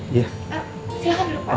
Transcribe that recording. silahkan dulu pak